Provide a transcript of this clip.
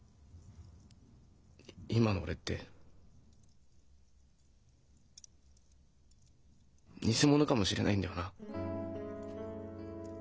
今の俺って偽者かもしれないんだよな。